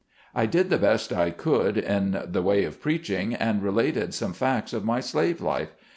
I did the best I could in way of preaching, and related some facts of my slave life.